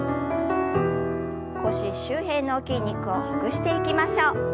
腰周辺の筋肉をほぐしていきましょう。